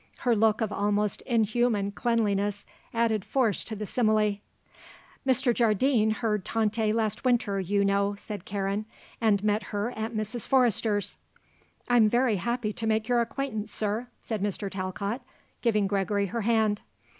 Her look of almost inhuman cleanliness added force to the simile. "Mr. Jardine heard Tante last winter, you know," said Karen, "and met her at Mrs. Forrester's." "I'm very happy to make your acquaintance, Sir," said Mrs. Talcott, giving Gregory her hand.